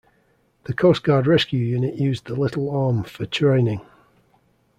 The Coast Guard Rescue Unit use the Little Orme for training.